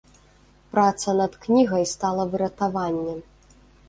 Праца над кнігай стала выратаваннем.